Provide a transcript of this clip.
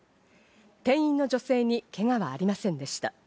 店員の女性にけがはありませんでした。